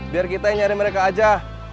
biar kita yang nyari mereka aja